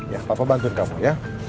ya papa bantuin kamu ya